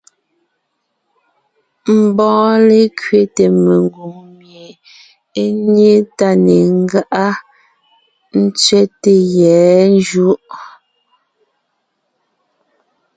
Mbɔɔ lékẅéte mengwòŋ mie é nyé tá ne ńgáʼa, ńtsẅɛ́te yɛ̌ njǔ.